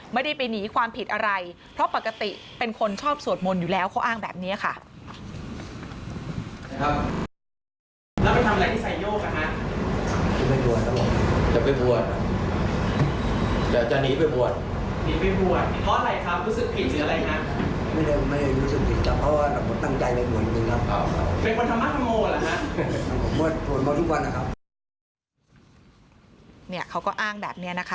ไม่ได้ไปหนีความผิดอะไรเพราะปกติเป็นคนชอบสวดมนต์อยู่แล้วเขาอ้างแบบนี้ค่ะ